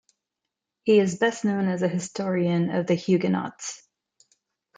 He is best known as a historian of the Huguenots.